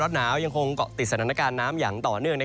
อุรเกาะและลน้ำยังคงก็ติดสรรวรรณการน้ำอย่างต่อเนื่อง